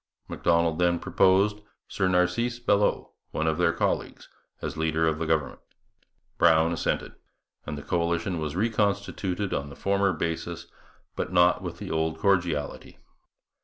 Macdonald then proposed Sir Narcisse Belleau, one of their colleagues, as leader of the government. Brown assented; and the coalition was reconstituted on the former basis, but not with the old cordiality.